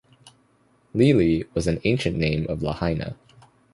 "Lele" was an ancient name of Lahaina.